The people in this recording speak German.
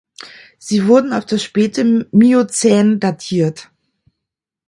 Sie wurden auf das späte Miozän datiert.